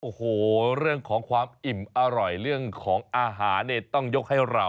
โอ้โหเรื่องของความอิ่มอร่อยเรื่องของอาหารเนี่ยต้องยกให้เรา